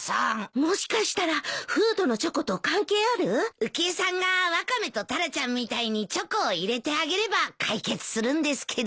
浮江さんがワカメとタラちゃんみたいにチョコを入れてあげれば解決するんですけど。